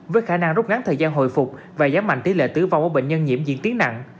với khả năng rút ngắn thời gian hồi phục và giám mạnh tỷ lệ tứ vong của bệnh nhân nhiễm diễn tiến nặng